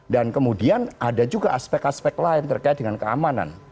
dan kemudian ada juga aspek aspek lain terkait dengan keamanan